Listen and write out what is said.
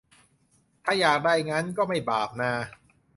ถ้าอยากได้งั้น ก็ไม่บาปนา